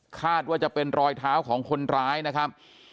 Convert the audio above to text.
คาดว่าจะเป็นรอยเท้าของคนร้ายนะครับ